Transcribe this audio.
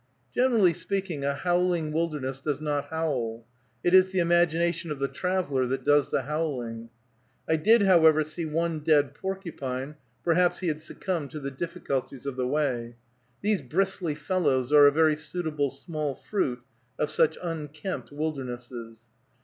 Generally speaking, a howling wilderness does not howl: it is the imagination of the traveler that does the howling. I did, however, see one dead porcupine; perhaps he had succumbed to the difficulties of the way. These bristly fellows are a very suitable small fruit of such unkempt wildernesses.